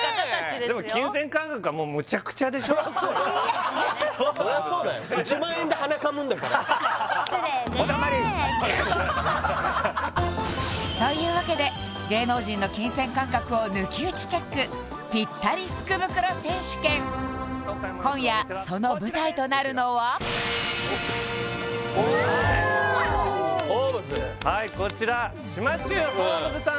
でもそりゃそうだよ失礼ねえ？というわけで芸能人の金銭感覚を抜き打ちチェック今夜その舞台となるのははいこちら島忠ホームズさん